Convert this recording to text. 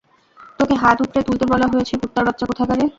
তোকে হাত উপরে তুলতে বলা হয়েছে, কুত্তার বাচ্চা কোথাকারে।